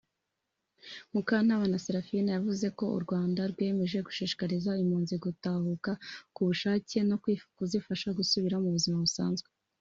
Mukantabana Seraphine yavuze ko u Rwanda rwiyemeje gushishikariza impunzi gutahuka ku bushake no kuzifasha gusubira mu buzima busanzwe